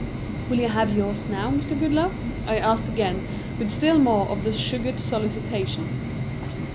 "Will you have yours now, Mr. Goodloe?" I asked again with still more of the sugared solicitation.